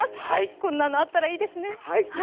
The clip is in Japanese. こんなのあったらいいですね。